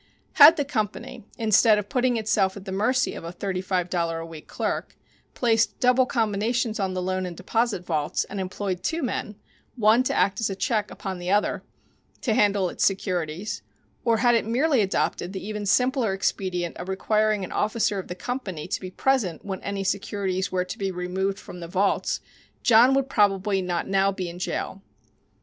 Had the company, instead of putting itself at the mercy of a thirty five dollar a week clerk, placed double combinations on the loan and deposit vaults, and employed two men, one to act as a check upon the other, to handle its securities, or had it merely adopted the even simpler expedient of requiring an officer of the company to be present when any securities were to be removed from the vaults, John would probably not now be in jail.